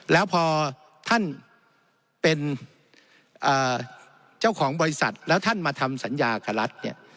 แล้วพอท่านเป็นเจ้าของบริษัทแล้วท่านมาทำสัญญากับรัฐเนี่ย